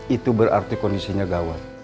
itu berarti kondisinya gawat